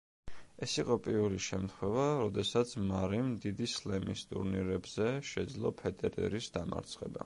ეს იყო პირველი შემთხვევა, როდესაც მარიმ დიდი სლემის ტურნირებზე შეძლო ფედერერის დამარცხება.